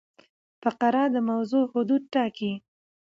فقره د موضوع حدود ټاکي.